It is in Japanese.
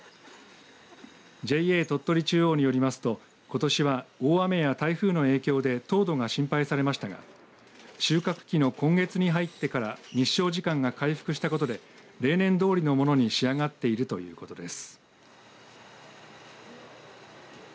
ＪＡ鳥取中央によりますとことしは、大雨や台風の影響で糖度が心配されましたが収穫期の今月に入ってから日照時間が回復したことで例年どおりのものに仕上がっているということです。